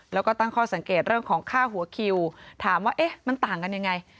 แล้วก็ตั้งข้อสังเกตเรื่องของค่าหัวคิวถามว่าเอ๊ะมันต่างกันยังไง